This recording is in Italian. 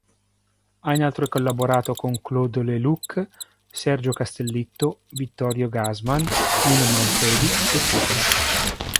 Ha inoltre collaborato con Claude Lelouch, Sergio Castellitto, Vittorio Gassman, Nino Manfredi ecc.